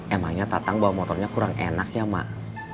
emangnya tatang bawa motornya kurang enak ya mak